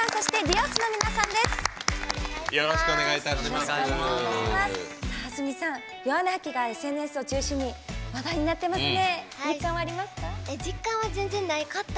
ａｓｍｉさん、「ヨワネハキ」がＳＮＳを中心に話題になってますね。